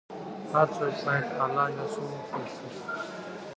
هر څه باید د الله ﷻ څخه وغوښتل شي